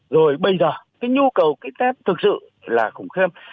rồi bây giờ cái nhu cầu kích tết thực sự là khủng khiêm